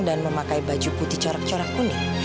dan memakai baju putih corak corak kuning